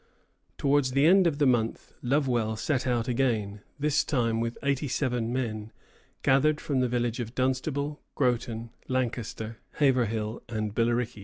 Towards the end of the month Lovewell set out again, this time with eighty seven men, gathered from the villages of Dunstable, Groton, Lancaster, Haverhill, and Billerica.